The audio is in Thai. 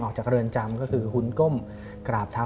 ออกจากเรือนจำก็คือคุณก้มกราบเท้า